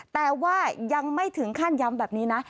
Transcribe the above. แต่ว่ายังไม่ถึงขั้นย้ำแบบนี้นะ